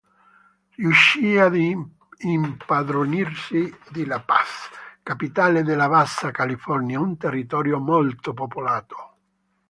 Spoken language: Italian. Riuscì ad impadronirsi di La Paz, capitale della Bassa California, un territorio molto popolato.